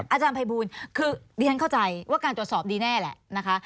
อาจารย์ภัยบูลคือเรียนเข้าใจว่าการตรวจสอบดีแน่แหละนะคะ